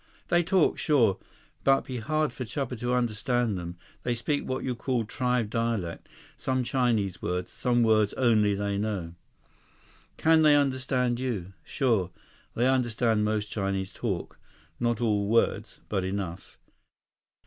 "They talk, sure. But be hard for Chuba to understand them. They speak what you call tribe dialect. Some Chinese words. Some words only they know." "Can they understand you?" "Sure. They understand most Chinese talk. Not all words. But enough."